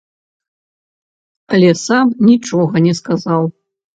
Але сам нічога не сказаў.